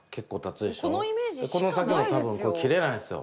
この先も多分切れないんですよ